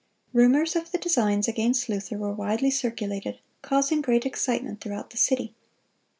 Rumors of the designs against Luther were widely circulated, causing great excitement throughout the city.